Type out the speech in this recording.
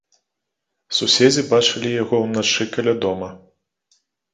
Суседзі бачылі яго ўначы каля дома.